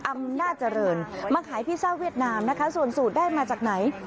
อำนาจเจริญมาขายพิซซ่าเวียดนามนะคะส่วนสูตรได้มาจากไหน